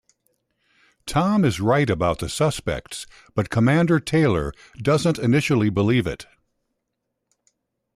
Tom is right about the suspects, but Commander Taylor doesn't initially believe it.